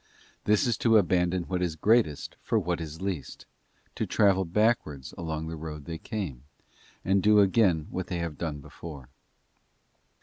This is to abandon what.is greatest for what is least, to travel backwards along the road they came, and do again what they have done before.